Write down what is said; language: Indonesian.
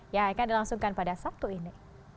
yang akan dilangsungkan pada sabtu ini